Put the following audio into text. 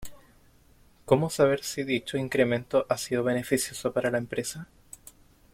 Como saber si dicho incremento ha sido beneficioso para la empresa?